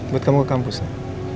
buat kamu ke kampus mas